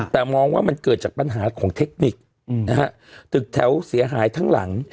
แต่มองว่ามันเกิดจากปัญหาของเทคนิคนะฮะตึกแถวเสียหายทั้งหลัง